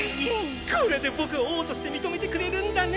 これで僕を王として認めてくれるんだね！